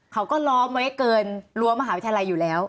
เขาก็ล้อมไว้เกินรั้วมหาวิทยาลัยอยู่แล้ว